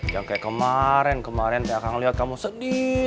jangan kayak kemarin kemarin kakak ngeliat kamu sedih